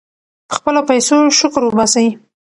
په خپلو پیسو شکر وباسئ.